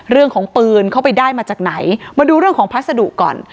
เรื่องของปืนเขาไปได้มาจากไหนมาดูเรื่องของพัสดุก่อน